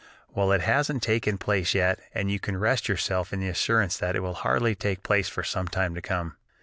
Well, it hasn't taken place yet, and you can rest yourself in the assurance that it will hardly take place for some time to come.